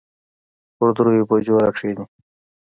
پر دريو بجو راکښېني.